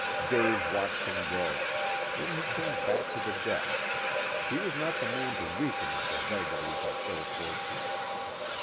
Dave watched him go. Then he turned back to the desk. He was not the man to weaken at the vagaries of ill fortune.